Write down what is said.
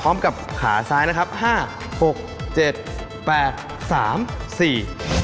ขาซ้ายนะครับห้าหกเจ็ดแปดสามสี่